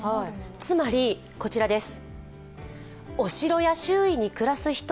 つまりこちらです。